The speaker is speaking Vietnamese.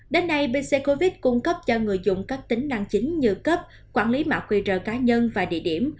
đến nay pc covid cung cấp cho người dùng các tính năng chính như cấp quản lý mạ quy trợ cá nhân và địa điểm